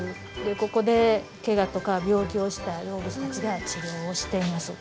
ここでけがとか病気をした動物たちが治療をしています。